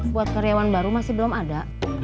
buat karyawan baru masih belum ada